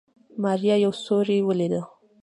ماريا يو سيوری وليد.